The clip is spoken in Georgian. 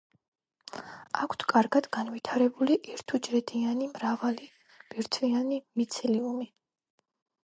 აქვთ კარგად განვითარებული ერთუჯრედიანი მრავალბირთვიანი მიცელიუმი.